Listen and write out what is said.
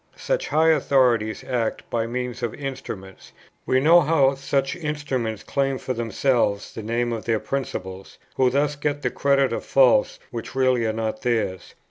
Such high authorities act by means of instruments; we know how such instruments claim for themselves the name of their principals, who thus get the credit of faults which really are not theirs.